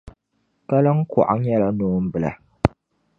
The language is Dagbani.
Kaliŋkaɣu nyɛla noon'bila.